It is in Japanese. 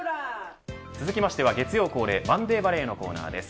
続きましては月曜恒例マンデーバレーのコーナーです。